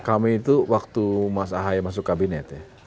kami itu waktu mas ahaye masuk kabinet ya